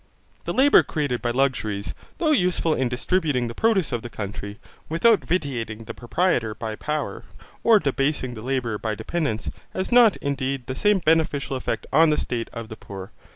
The labour created by luxuries, though useful in distributing the produce of the country, without vitiating the proprietor by power, or debasing the labourer by dependence, has not, indeed, the same beneficial effects on the state of the poor.